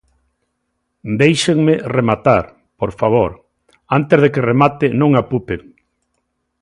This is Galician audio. Déixenme rematar, por favor, antes de que remate non apupen.